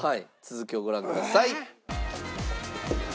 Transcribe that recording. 続きをご覧ください。